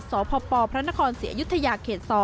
สพพระนครศรีอยุธยาเขต๒